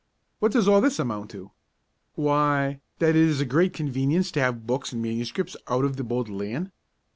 What does all this amount to? Why, that it is a great convenience to have books and MSS. out of the Bodleian.